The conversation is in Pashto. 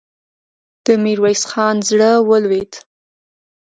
د ميرويس خان زړه ولوېد.